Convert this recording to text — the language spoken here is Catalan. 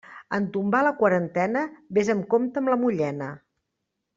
En tombar la quarantena, vés amb compte amb la mullena.